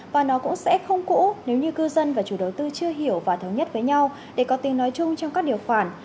và nó cũng sẽ không cũ nếu như cư dân và chủ đầu tư chưa hiểu và thống nhất với nhau để có tiếng nói chung trong các điều khoản